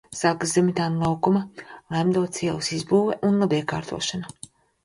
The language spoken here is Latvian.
Sākas Zemitāna laukuma, Laimdotas ielas izbūve un labiekārtošana.